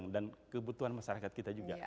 dan kebutuhan masyarakat kita juga